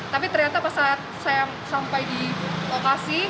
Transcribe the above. tapi ternyata pas saya sampai di lokasi